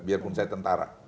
biarpun saya tentara